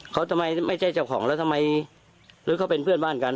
เขาทำไมไม่ใช่เจ้าของแล้วทำไมหรือเขาเป็นเพื่อนบ้านกัน